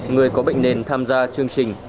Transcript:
người có bệnh nên tham gia chương trình